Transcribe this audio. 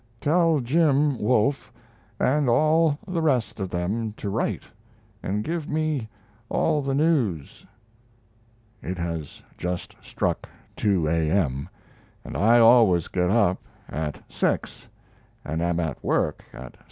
Tell Jim (Wolfe) and all the rest of them to write, and give me all the news.... (It has just struck 2 A.M., and I always get up at 6, and am at work at 7.)